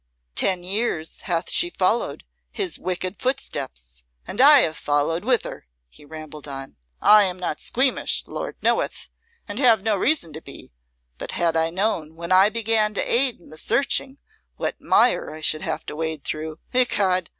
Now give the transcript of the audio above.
"Ten years hath she followed his wicked footsteps and I have followed with her," he rambled on. "I am not squeamish, Lord knoweth! and have no reason to be; but had I known, when I began to aid in the searching, what mire I should have to wade through, ecod!